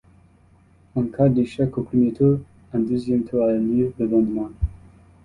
En cas d'échec au premier tour, un deuxième tour a lieu le lendemain.